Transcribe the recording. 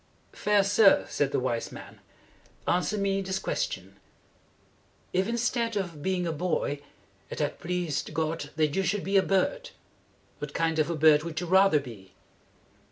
"Fair sir," said the wise man, "answer me this question: If, instead of being a boy, it had pleased God that you should be a bird, what kind of a bird would you rather be?"